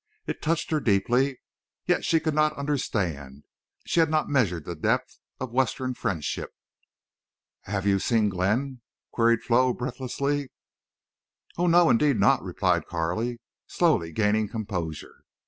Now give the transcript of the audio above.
It touched her deeply, yet she could not understand. She had not measured the depth of Western friendship. "Have you—seen Glenn?" queried Flo, breathlessly. "Oh no, indeed not," replied Carley, slowly gaining composure.